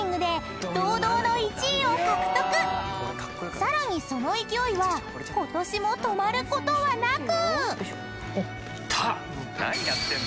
［さらにその勢いはことしも止まることはなく］